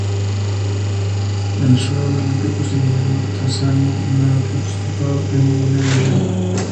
En los Juegos Olímpicos de Invierno Tanzania no ha participado en ninguna edición.